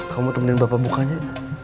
kamu temenin bapak bukanya